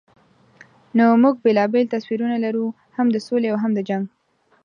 نو موږ بېلابېل تصویرونه لرو، هم د سولې او هم د جنګ.